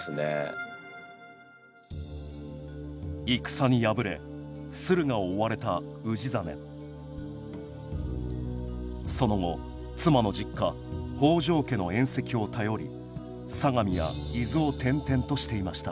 戦に敗れ駿河を追われた氏真その後妻の実家北条家の縁戚を頼り相模や伊豆を転々としていました。